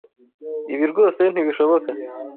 Ibi rwose ntibishoboka.